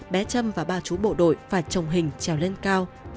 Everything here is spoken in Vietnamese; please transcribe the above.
bé trâm và ba chú bộ đội phải trồng hình trèo lên cao